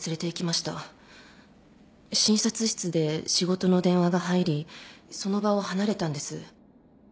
診察室で仕事の電話が入りその場を離れたんです。